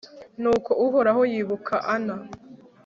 nuko uhoraho yibuka ana